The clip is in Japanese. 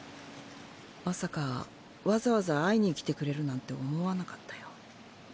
まさかわざわざ会いにきてくれるなんて思わなかったよ。